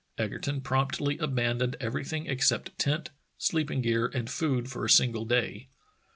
Egerton promptly abandoned everything except tent, sleeping gear, and food for a single day.